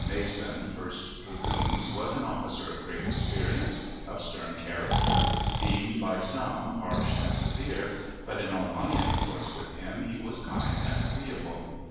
Mason, First Dragoons, was an officer of great experience, of stern character, deemed by some harsh and severe, but in all my intercourse with him he was kind and agreeable.